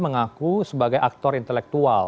tidak ada persidangan intelektual